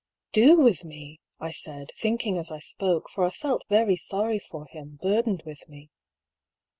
^" Do with me ?" I said, thinking as I spoke ; for I felt very sorry for him, burdened with me.